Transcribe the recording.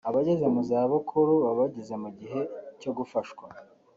Abageze mu zabukuru baba bageze mu gihe cyo gufashwa